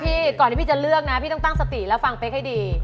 ก่อนที่พี่จะเลือกนะพี่ต้องตั้งสติแล้วฟังเป๊กให้ดี